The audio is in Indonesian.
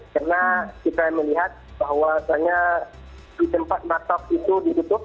karena kita melihat bahwa sebenarnya di tempat masyarakat itu di tutup